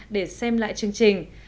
để xem lại chương trình